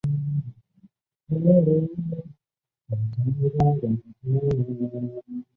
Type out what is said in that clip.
摩尔斯布里奇是位于美国阿拉巴马州塔斯卡卢萨县的一个非建制地区。